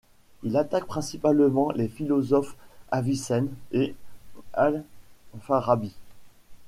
Il attaque principalement les philosophes Avicenne et Al-Fârâbî.